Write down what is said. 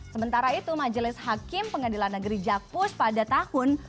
sementara itu majelis hakim pengadilan negeri jakpus pada tahun dua ribu tujuh belas